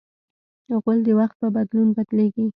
غول د وخت په بدلون بدلېږي.